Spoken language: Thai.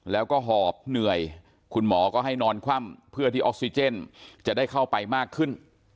แล้วก็หอบเหนื่อยคุณหมอก็ให้นอนคว่ำเพื่อที่ออกซิเจนจะได้เข้าไปมากขึ้น